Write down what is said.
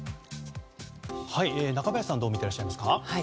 中林さんはどう見ていらっしゃいますか？